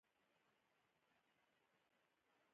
د جنوب واکمنې ډلې یې پر وړاندې مخالفتونه پیل کړل.